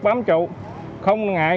bám trụ không ngại